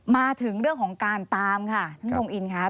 มาถึงเรื่องของการตามค่ะท่านทรงอินครับ